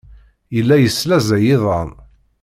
Yella yeslaẓay iḍan.